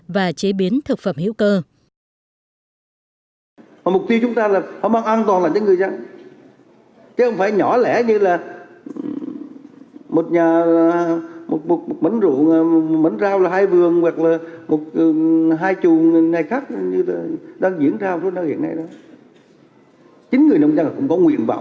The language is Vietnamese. và chế biến thực phẩm hữu cơ